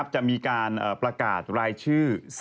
จะมีการประกาศรายชื่อ